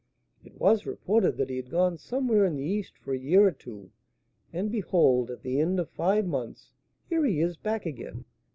"It was reported that he had gone somewhere in the East for a year or two, and behold, at the end of five months, here he is back again!